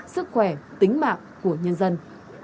sức khỏe tính mạng của nhân dân